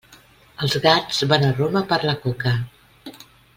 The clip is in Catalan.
Els gats van a Roma per la coca.